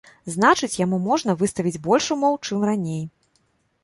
Значыць, яму можна выставіць больш умоў, чым раней.